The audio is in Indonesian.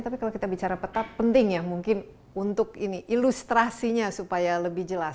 tapi kalau kita bicara peta penting ya mungkin untuk ini ilustrasinya supaya lebih jelas